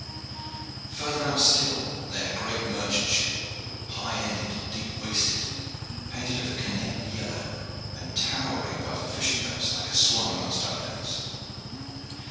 Further out still lay a great merchant ship, high ended, deep waisted, painted of a canary yellow, and towering above the fishing boats like a swan among ducklings.